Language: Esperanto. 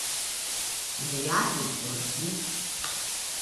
Mi agu por vi.